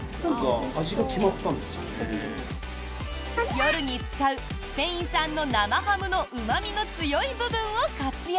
夜に使うスペイン産の生ハムのうま味の強い部分を活用。